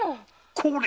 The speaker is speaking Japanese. これ！